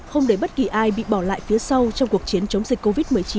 không để bất kỳ ai bị bỏ lại phía sau trong cuộc chiến chống dịch covid một mươi chín